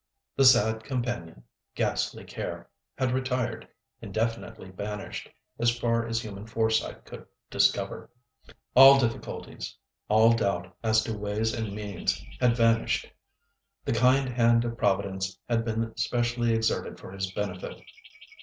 "The sad companion, ghastly Care," had retired, indefinitely banished, as far as human foresight could discover. All difficulties, all doubt as to ways and means, had vanished. The kind hand of Providence had been specially exerted for his benefit.